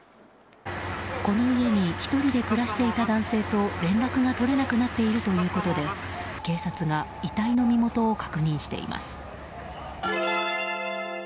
この家に１人で暮らしていた男性と連絡が取れなくなっているということで警察が遺体の身元を確認しています。